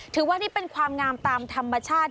ถือว่านี่เป็นความงามตามธรรมชาติ